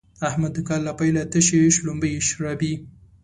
احمد د کال له پيله تشې شلومبې شاربي.